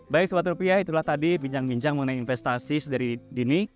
baik semata rupiah itulah tadi bincang bincang mengenai investasi dari dini